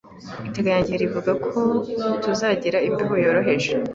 Iteganyagihe rirerire rivuga ko tuzagira imbeho yoroheje.